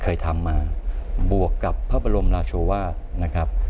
เคยทำมาบวกกับพระบรมราชาวาท